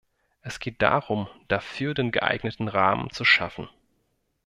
Es geht darum, dafür den geeigneten Rahmen zu schaffen.